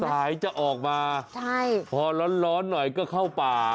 สายจะออกมาใช่พอร้อนหน่อยก็เข้าป่า